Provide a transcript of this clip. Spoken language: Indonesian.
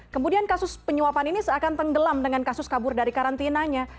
kemudian kasus penyuapan ini seakan tenggelam dengan kasus kabur dari karantinanya